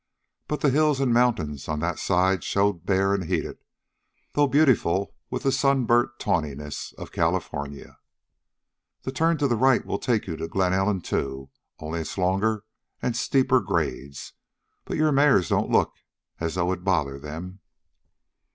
But hills and mountains on that side showed bare and heated, though beautiful with the sunburnt tawniness of California. "The turn to the right will take you to Glen Ellen, too, only it's longer and steeper grades. But your mares don't look as though it'd bother them."